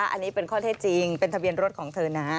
อันนี้เป็นข้อเท็จจริงเป็นทะเบียนรถของเธอนะ